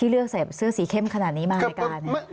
เลือกเสื้อสีเข้มขนาดนี้มาเนี่ย